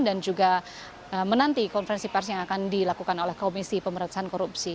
dan juga menanti konferensi pers yang akan dilakukan oleh komisi pemerintahan korupsi